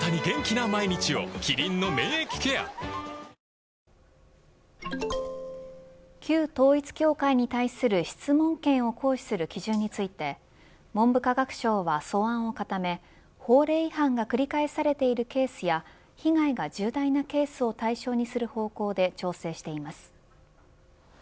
一方、韓国軍は旧統一教会に対する質問権を行使する基準について文部科学省は素案を固め法令違反が繰り返されているケースや被害が重大なケースを対象にする方向で調整しています。